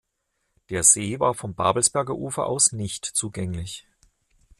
Der See war vom Babelsberger Ufer aus nicht zugänglich.